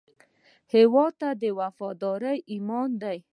هیواد ته وفاداري ایمان دی